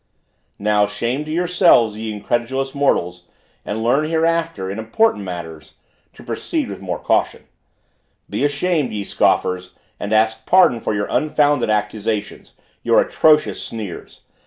Now, take shame to yourselves, ye incredulous mortals! and learn hereafter, in important matters, to proceed with more caution. Be ashamed, ye scoffers! and ask pardon for your unfounded accusations, your atrocious sneers.